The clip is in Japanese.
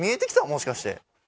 もしかして。